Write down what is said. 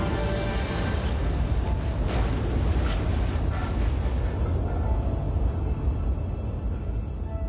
ハァハァ。